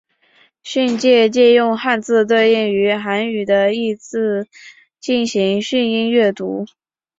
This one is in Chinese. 训借借用汉字对应于韩语的意字进行训音阅读。